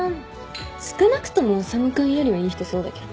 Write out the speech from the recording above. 少なくとも修君よりはいい人そうだけど。